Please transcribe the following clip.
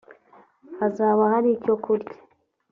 Hazaba hari icyo kurya